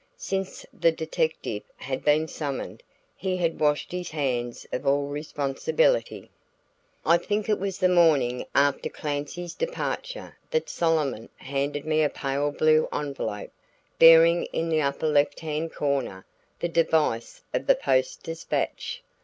Since the detective had been summoned, he had washed his hands of all responsibility. I think it was the morning after Clancy's departure that Solomon handed me a pale blue envelope bearing in the upper left hand corner the device of the Post Dispatch.